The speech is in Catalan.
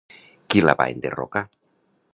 Qui la va enderrocar?